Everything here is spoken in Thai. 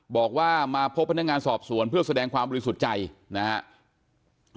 บอกว่ามาพบพนักงานสอบสวนเพื่อแสดงความบริสุทธิ์ใจนะครับ